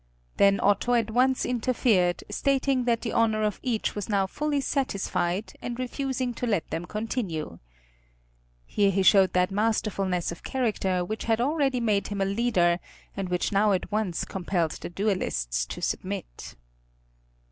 Then Otto at once interfered, stating that the honor of each was now fully satisfied, and refusing to let them continue. Here he showed that masterfulness of character which had already made him a leader, and which now at once compelled the duelists to submit.